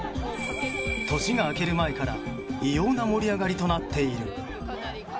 年が明ける前から異様な盛り上がりとなっている。